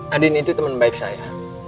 andin itu temen baik saya